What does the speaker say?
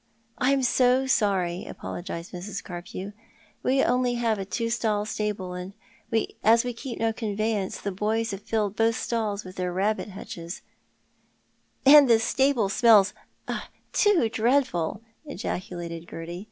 " I am so sorry," apologised Mrs. Carpew. " ^^'c have only a two stall stable, and as we keep no conveyance, the boys have filled both stalls with their rabbit hutches "" And the stable smells — too dreadful," ejaculated Gerty.